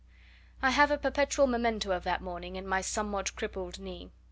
I have a perpetual memento of that morning in my somewhat crippled knee.